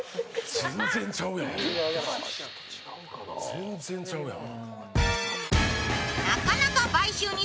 全然ちゃうやん。